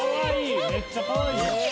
めっちゃかわいいやん。